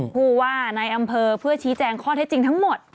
ผู้ว่านายอำเภอเพื่อชี้แจงข้อเท็จจริงทั้งหมด